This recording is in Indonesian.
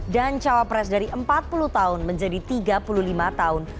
dan cawapres dari empat puluh tahun menjadi tiga puluh lima tahun